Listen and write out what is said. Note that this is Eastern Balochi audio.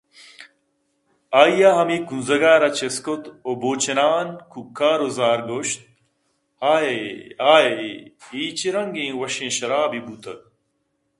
آئیءَہمے کُونزگءَرا چِست کُتءُ بوچنان کُوکارءُ زارگوٛشت اَئے! اَئے! اے چہ رنگیں وشّیں شرابے بُوتگ